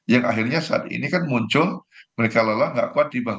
yang akhirnya saat ini kan muncul mereka lelah tidak kuat dibangun